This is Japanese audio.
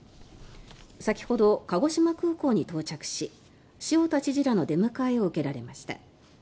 先ほど鹿児島空港に到着し塩田知事らの出迎えを受けられました。